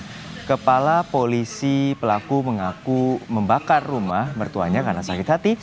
sementara kepala polisi pelaku mengaku membakar rumah mertuanya karena sakit hati